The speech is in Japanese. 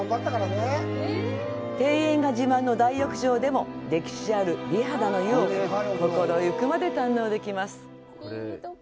庭園が自慢の大浴場でも歴史ある美肌の湯を心ゆくまで堪能できます。